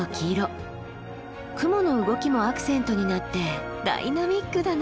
雲の動きもアクセントになってダイナミックだな。